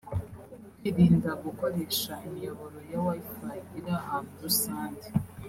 Kwirinda gukoresha imiyoboro ya Wi-Fi iri ahantu rusange